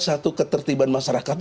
satu ketertiban masyarakat ini